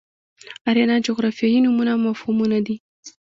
آریانا جغرافیایي نومونه او مفهومونه دي.